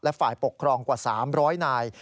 ฝ่ายปกครองกว่า๓๐๐นาย